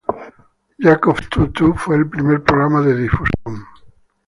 Jacob Two-Two fue el primer programa de difusión.